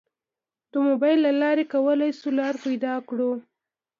د موبایل له لارې کولی شو لار پیدا کړو.